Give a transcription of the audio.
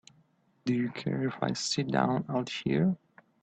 Do you care if I sit down out here?